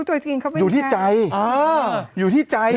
เตี๊ยบกินไหมเปล่า